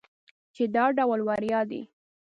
چې دا ټول وړيا دي.